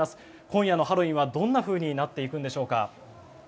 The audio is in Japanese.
今夜のハロウィーンはどんなふうになっていくのでしょうか。